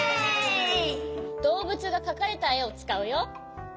どうぶつがかかれたえをつかうよ。